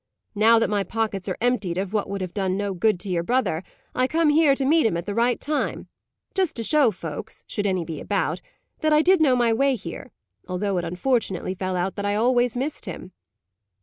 "Now that my pockets are emptied of what would have done no good to your brother, I come here to meet him at the right time. Just to show folks should any be about that I did know my way here; although it unfortunately fell out that I always missed him."